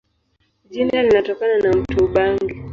Jina linatokana na mto Ubangi.